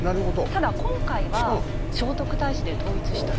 ただ今回は聖徳太子で統一したいなと。